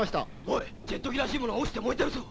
おいジェット機らしいものが落ちて燃えてるぞ。